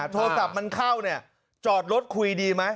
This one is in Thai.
โทรศัพท์มันเข้าเนี่ยจอดรถคุยดีไหม